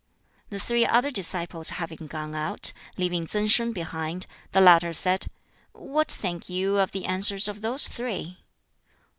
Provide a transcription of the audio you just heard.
The three other disciples having gone out, leaving Tsang Sin behind, the latter said, "What think you of the answers of those three?"